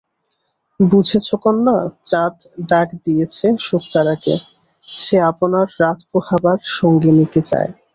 বুঝেছ বন্যা, চাঁদ ডাক দিয়েছে শুকতারাকে, সে আপনার রাত-পোহাবার সঙ্গিনীকে চায়।